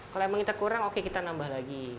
kalau emang kita kurang oke kita nambah lagi